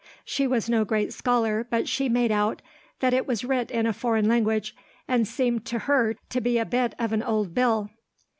She was no great scholar, but she made out that it was writ in a foreign language, and seemed to her to be a bit of an old bill.